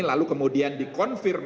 lalu kemudian dikonfirmasi